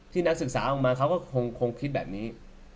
นักศึกษาออกมาเขาก็คงคิดแบบนี้